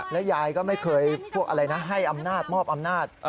แล้วยายก็ไม่เคยพวกอะไรนะให้อำนาจมอบอำนาจ